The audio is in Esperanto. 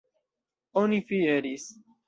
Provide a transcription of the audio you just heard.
Oni fieris.